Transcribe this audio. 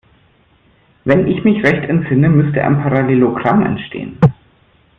Wenn ich mich recht entsinne, müsste ein Parallelogramm entstehen.